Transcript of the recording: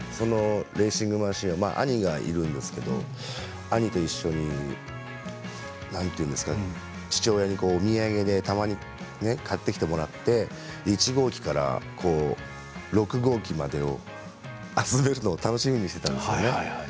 レーシングマシン兄がいるんですけども兄と一緒に父親にお土産でたまに買ってきてもらって１号機から６号機までを集めるのを楽しみにしていたんですよね。